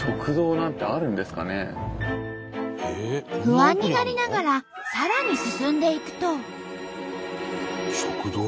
不安になりながらさらに進んでいくと。